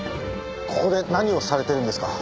ここで何をされてるんですか？